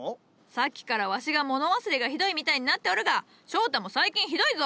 さっきからわしが物忘れがひどいみたいになっておるが翔太も最近ひどいぞ！